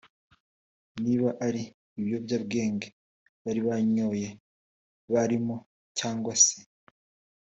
niba ari ibiyobyabwenge bari banyoye abarimo cyangwa se